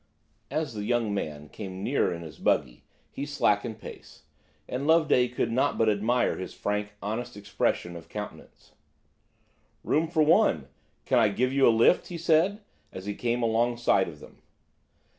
As the young man came nearer in his buggy he slackened pace, and Loveday could not but admire his frank, honest expression of countenance, "Room for one–can I give you a lift?" he said, as he came alongside of them.